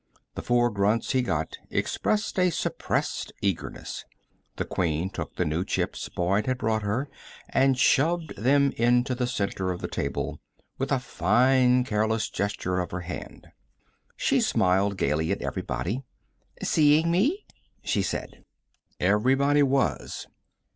The four grunts he got expressed a suppressed eagerness. The Queen took the new chips Boyd had brought her and shoved them into the center of the table with a fine, careless gesture of her hand. She smiled gaily at everybody. "Seeing me?" she said. Everybody was.